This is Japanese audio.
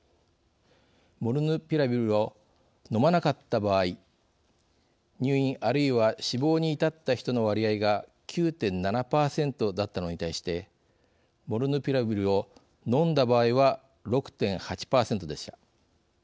モルヌピラビルを飲まなかった場合入院あるいは死亡に至った人の割合が９．７％だったのに対してモルヌピラビルを飲んだ場合は６．８％でした。